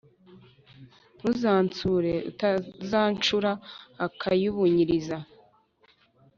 Ntuzansure utazancura akabunyiriza